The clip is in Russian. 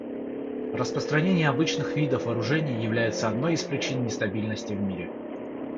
Распространение обычных видов вооружений является одной из причин нестабильности в мире.